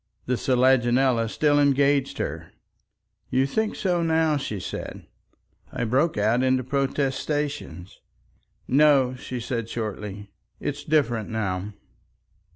The selaginella still engaged her. "You think so now," she said. I broke out into protestations. "No," she said shortly. "It's different now."